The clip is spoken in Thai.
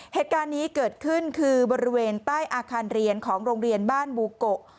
เหตุการณ์นี้เกิดขึ้นคือบริเวณใต้อาคารเรียนของโรงเรียนบ้านบูโกะ